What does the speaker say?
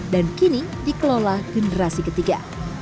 dan kini dikelola generasi ketiga